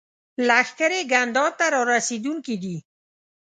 لښکرې ګنداب ته را رسېدونکي دي.